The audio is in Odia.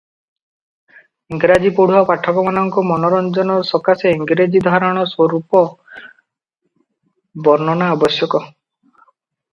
ଇଂରାଜୀ ପଢୁଆ ପାଠକମାନଙ୍କ ମନୋରଞ୍ଜନ ସକାଶେ ଇଂରାଜୀ ଧରଣର ରୂପ ବର୍ଣ୍ଣନା ଆବଶ୍ୟକ ।